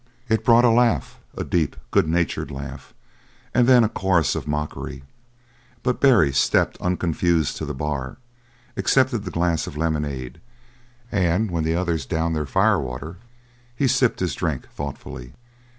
It brought a laugh, a deep, good natured laugh, and then a chorus of mockery; but Barry stepped unconfused to the bar, accepted the glass of lemonade, and when the others downed their fire water, he sipped his drink thoughtfully.